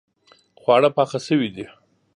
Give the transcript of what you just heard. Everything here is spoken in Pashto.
خواړه پاخه شوې دي